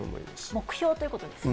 目標ということですね。